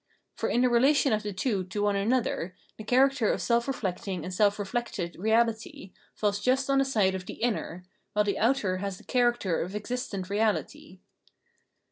For in the relation of the two to one another the character of self reflecting and self reflected reahty falls just on Phrenology 329 tlie side of the inner, while the outer has the character of existent reahty.